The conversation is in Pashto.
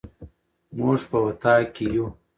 موږ په اطاق کي يو